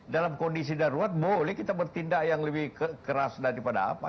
dalam kondisi darurat boleh kita bertindak yang lebih keras daripada apa